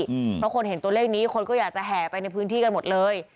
เพราะคนเห็นตัวเลขนี้คนก็อยากจะแห่ไปในพื้นที่กันหมดเลย